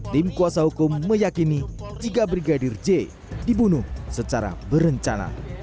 tim kuasa hukum meyakini jika brigadir j dibunuh secara berencana